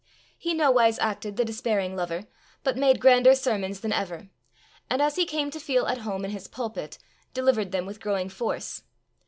He nowise acted the despairing lover, but made grander sermons than ever, and, as he came to feel at home in his pulpit, delivered them with growing force.